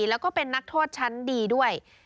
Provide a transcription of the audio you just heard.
แล้วก็เป็นนักโทษชั้นดีด้วย